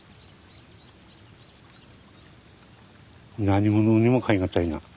何物にも代え難いな。